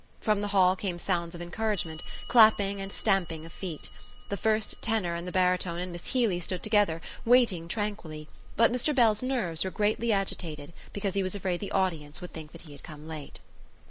From the hall came sounds of encouragement, clapping and stamping of feet. The first tenor and the baritone and Miss Healy stood together, waiting tranquilly, but Mr Bell's nerves were greatly agitated because he was afraid the audience would think that he had come late.